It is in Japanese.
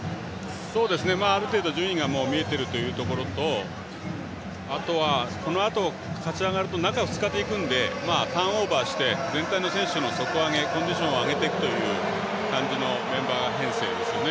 ある程度順位が見えていることとあとは、このあと勝ち上がると中２日となるのでターンオーバーして全体の選手の底上げコンディションを上げていくという感じのメンバー編成ですね。